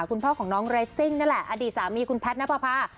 คุณพ่อของน้องเรซิ่งนั่นแหละอดีตสามีคุณแพทย์ณปภา